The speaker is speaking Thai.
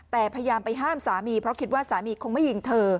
แต่พยายามไปห้ามสามีเพราะคิดว่าสามีคงไม่ยิงเธอ